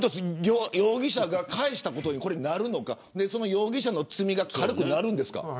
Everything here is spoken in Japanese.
容疑者が返したことになるのか容疑者の罪が軽くなるんですか。